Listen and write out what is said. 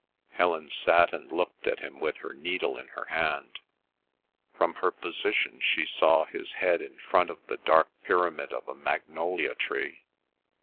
'" Helen sat and looked at him with her needle in her hand. From her position she saw his head in front of the dark pyramid of a magnolia tree.